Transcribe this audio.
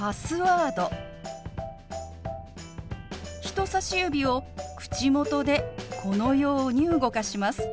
人さし指を口元でこのように動かします。